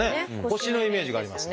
腰のイメージがあります。